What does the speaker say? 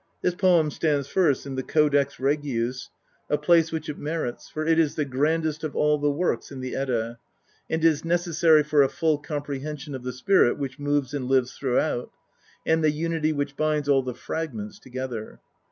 This poem stands first in the Codex Regius, INTRODUCTION. IX a place which it merits, for it is the grandest of all the works in the Edda, and is necessary for a full comprehension of the spirit which moves and lives throughout, and the unity which binds all the frag ments together.